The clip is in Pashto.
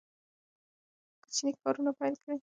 کوچني کارونه پیل کړئ.